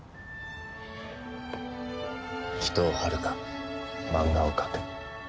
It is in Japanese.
鬼頭はるかマンガを描く。